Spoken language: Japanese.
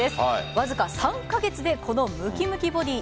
わずか３カ月でこのムキムキボディー。